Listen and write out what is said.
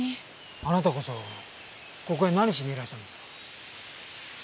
あなたこそここへ何しにいらしたんですか？